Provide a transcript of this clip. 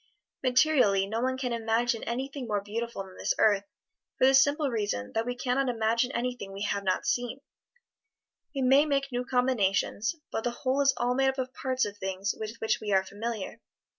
Materially, no one can imagine anything more beautiful than this earth, for the simple reason that we can not imagine anything we have not seen; we may make new combinations, but the whole is all made up of parts of things with which we are familiar.